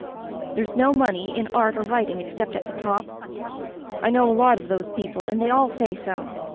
There's no money in art or writing except at the top. I know a lot of those people and they all say so.